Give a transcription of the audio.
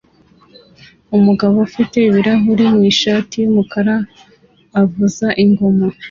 Umugabo ufite ibirahuri mu ishati yumukara avuza ingoma